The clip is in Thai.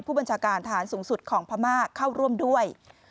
ผู้บัญชาการฐานสูงสุดของพม่าเข้าร่วมด้วย